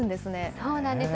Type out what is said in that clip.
そうなんです。